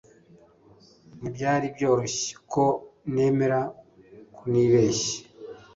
Ntibyari byoroshye ko nemera ko nibeshye